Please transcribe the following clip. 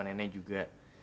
tiada masalah nuria